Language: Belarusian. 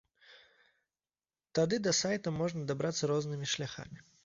Тады да сайта можна дабрацца рознымі шляхамі.